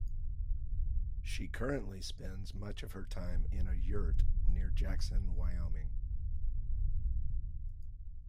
She currently spends much of her time in a yurt near Jackson, Wyoming.